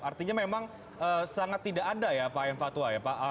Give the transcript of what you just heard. artinya memang sangat tidak ada ya pak enfatwa ya pak